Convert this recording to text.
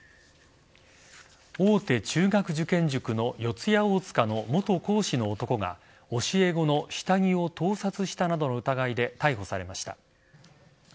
大手中学受験塾の四谷大塚の元講師の男が教え子の下着を盗撮したなどの疑いで逮捕されました。